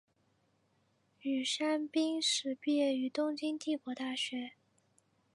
宇山兵士毕业于东京帝国大学。